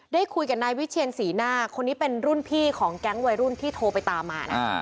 ได้คุยกับนายวิเชียนศรีหน้าคนนี้เป็นรุ่นพี่ของแก๊งวัยรุ่นที่โทรไปตามมานะ